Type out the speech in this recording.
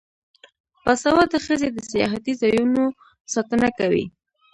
باسواده ښځې د سیاحتي ځایونو ساتنه کوي.